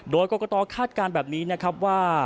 โดยกรกตคาดการณ์แบบนี้นะครับว่า